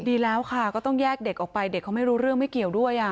ดีแล้วค่ะก็ต้องแยกเด็กออกไปเด็กเขาไม่รู้เรื่องไม่เกี่ยวด้วย